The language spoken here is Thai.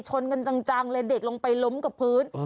ชนกันจังเลยเด็กลงไปล้มกับพื้น